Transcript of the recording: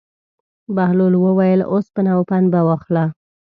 بهلول وویل: اوسپنه او پنبه واخله.